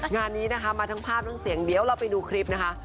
งานนี้นะคะมาทั้งภาพทั้งเสียงเดี๋ยวเราไปดูคลิปนะคะ